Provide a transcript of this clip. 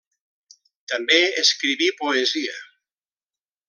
També escriví poesia.